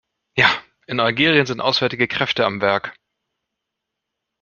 Ja, in Algerien sind auswärtige Kräfte am Werk.